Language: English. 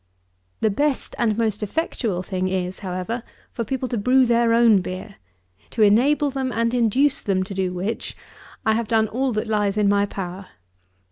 66. The best and most effectual thing is, however, for people to brew their own beer, to enable them and induce them to do which, I have done all that lies in my power.